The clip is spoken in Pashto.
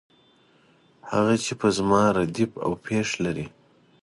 هغه چې په زما ردیف او پیښ لري.